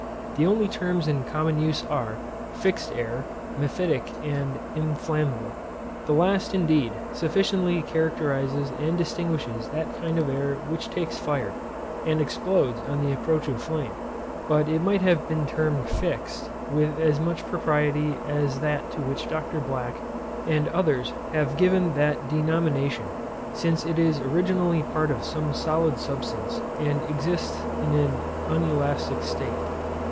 The only terms in common use are, fixed air, mephitic, and inflammable. The last, indeed, sufficiently characterizes and distinguishes that kind of air which takes fire, and explodes on the approach of flame; but it might have been termed fixed with as much propriety as that to which Dr. Black and others have given that denomination, since it is originally part of some solid substance, and exists in an unelastic state.